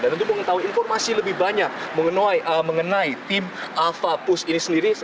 dan untuk mengetahui informasi lebih banyak mengenai tim alfapus ini sendiri